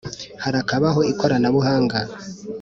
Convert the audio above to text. harakabaho ikoranabuhanga